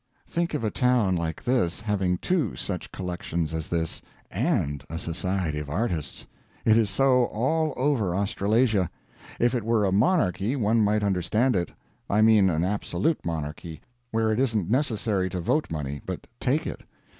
Think of a town like this having two such collections as this, and a Society of Artists. It is so all over Australasia. If it were a monarchy one might understand it. I mean an absolute monarchy, where it isn't necessary to vote money, but take it.